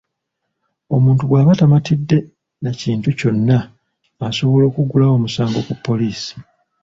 Omuntu bwaba tamatidde na kintu kyonna, asobola okuggulawo omusango ku poliisi.